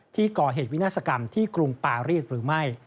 ที่ก่อเหตุวินาศกรรมที่กรุงปารีสหรือไม่